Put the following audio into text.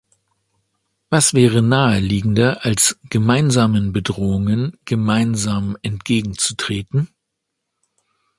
Was wäre naheliegender als gemeinsamen Bedrohungen gemeinsam entgegenzutreten?